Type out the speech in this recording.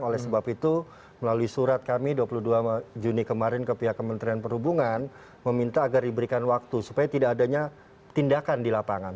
oleh sebab itu melalui surat kami dua puluh dua juni kemarin ke pihak kementerian perhubungan meminta agar diberikan waktu supaya tidak adanya tindakan di lapangan